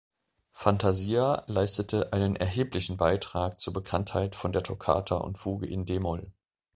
„Fantasia“ leistete einen erheblichen Beitrag zur Bekanntheit von der Toccata und Fuge in d-Moll.